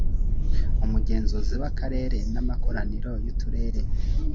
umugenzuzi w akarere n amakoraniro y uturere